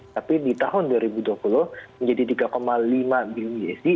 tapi di tahun dua ribu dua puluh menjadi tiga lima bilion usd